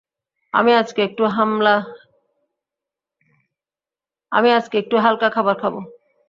আমি আজকে একটু হালকা খাবার খাব।